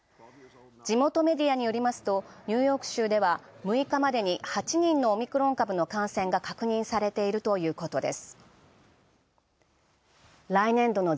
地元メディアによりますとニューヨーク州では６日までに感染が確認されているということです。